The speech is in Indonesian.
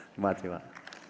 terima kasih pak